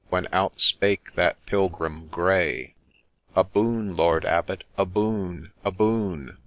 — When outspake that Pilgrim grey —' A boon, Lord Abbot ! a boon ! a boon